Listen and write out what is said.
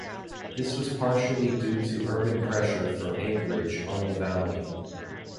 This was partially due to urban pressure from Anchorage on the valley.